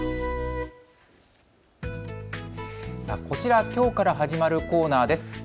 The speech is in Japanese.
こちら、きょうから始まるコーナーです。